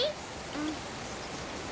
うん。